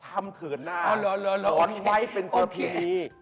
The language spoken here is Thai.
ทำเกิดหน้าสอนไว้เป็นเกิดผิดดี